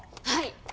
はい！